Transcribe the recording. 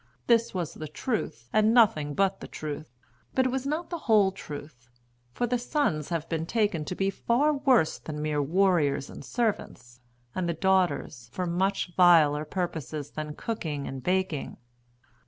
This was the truth, and nothing but the truth, but it was not the whole truth; for the sons have been taken to be far worse than mere warriors and servants, and the daughters for much viler purposes than cooking and baking.